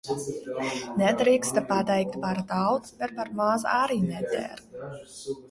Nedrīkst pateikt par daudz, bet par maz – arī neder.